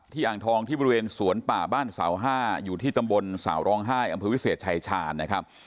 อ่างทองที่บริเวณสวนป่าบ้านเสาห้าอยู่ที่ตำบลสาวร้องไห้อำเภอวิเศษชายชาญนะครับ